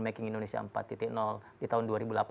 making indonesia empat di tahun dua ribu delapan belas